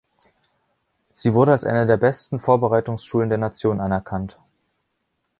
Sie wurde als eine der besten Vorbereitungsschulen der Nation anerkannt.